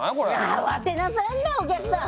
慌てなさんなお客さん。